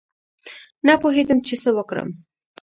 نه پوهېدم چې څه وکړم.